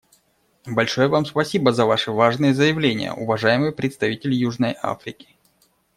Большое Вам спасибо за Ваше важное заявление, уважаемый представитель Южной Африки.